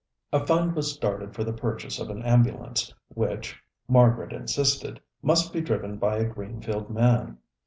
A fund was started for the purchase of an ambulance, which, Margaret insisted, must be driven by a Greenfield man.